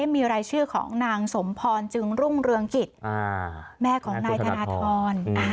มีรายชื่อของนางสมพรจึงรุ่งเรืองกิจแม่ของนายธนทร